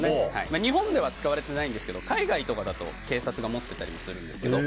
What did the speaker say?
日本では使われてないんですけど海外とかだと警察が持っていたりするんですけど。